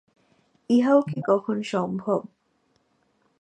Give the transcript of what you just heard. ইহাও কি কখন সম্ভব!